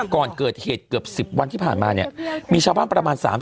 ก่อนเกิดเหตุเกือบ๑๐วันที่ผ่านมาเนี่ยมีชาวบ้านประมาณ๓๐